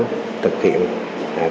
để thực hiện các biện pháp